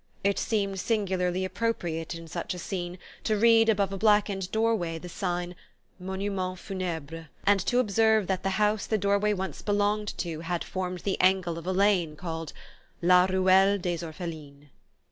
It seemed singularly appropriate, in such a scene, to read above a blackened doorway the sign: "Monuments Funebres," and to observe that the house the doorway once belonged to had formed the angle of a lane called "La Ruelle des Orphelines."